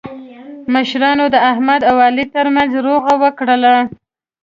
مشرانو د احمد او علي ترمنځ روغه وکړله.